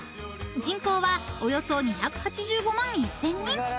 ［人口はおよそ２８５万１，０００人］